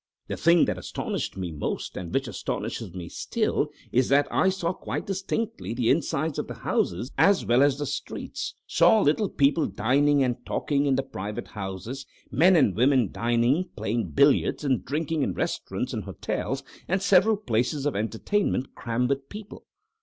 The thing that astonished me most, and which astonishes me still, is that I saw quite distinctly the insides of the houses as well as the streets, saw little people dining and talking in the private houses, men and women dining, playing billiards, and drinking in restaurants and hotels, and several places of entertainment crammed with people.